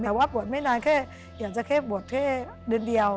แต่ว่าบวชไม่นานแค่อยากจะแค่บวชแค่เดือนเดียว